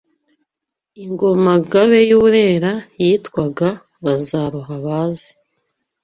Ingoma-ngabe y’u Burera yitwaga “Bazaruhabaze”